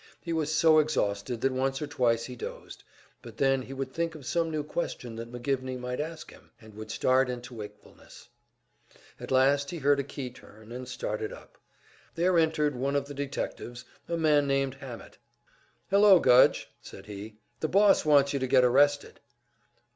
He was so exhausted that once or twice he dozed; but then he would think of some new question that McGivney might ask him, and would start into wakefulness. At last he heard a key turn, and started up. There entered one of the detectives, a man named Hammett. "Hello, Gudge," said he. "The boss wants you to get arrested."